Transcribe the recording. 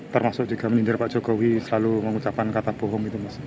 termasuk juga menyindir pak jokowi selalu mengucapkan kata bohong itu mas